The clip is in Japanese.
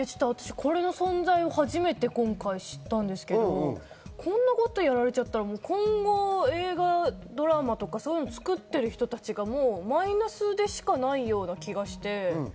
これの存在を今回初めて知ったんですけど、こんなことやられちゃったら今後、映画とかドラマとか作ってる人たちがマイナスでしかないような気がして。